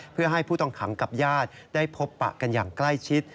เพื่อให้ผู้ต้องขังกับญาติได้พบปะกันอย่างใกล้ชิด